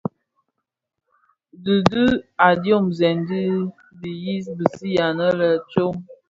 Dhi dhim a dyomzèn dhi diyis bisig anne lè tsom.